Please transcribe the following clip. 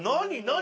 何？